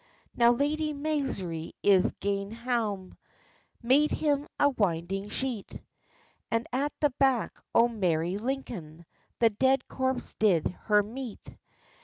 Now Lady Maisry is gane hame, Make him a winding sheet, And at the back o merry Lincoln, The dead corpse did her meet.